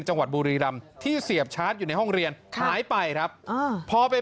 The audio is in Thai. จังหวัดบุรีรำที่เสียบชาร์จอยู่ในห้องเรียนหายไปครับอ่าพอไป